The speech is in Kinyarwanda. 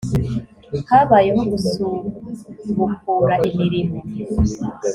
habayeho gusubukura imirimo